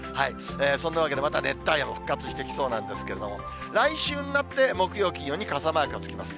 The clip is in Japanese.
そんなわけでまた熱帯夜も復活してきそうなんですけれども、来週になって木曜、金曜に傘マークがつきます。